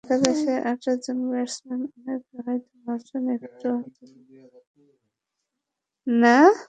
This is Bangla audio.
একাদশে আটজন ব্যাটসম্যান, অনেকে হয়তো ভাবছেন একটু রক্ষণাত্মক মানসিকতা নিয়েই নেমেছে বাংলাদেশ।